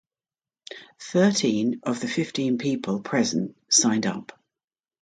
Thirteen of the fifteen people present signed up.